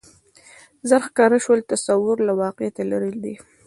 ژر ښکاره شول تصور له واقعیته لرې دی